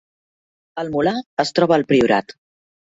El Molar es troba al Priorat